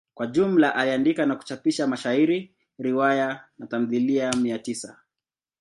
Kwa jumla aliandika na kuchapisha mashairi, riwaya na tamthilia mia tisa.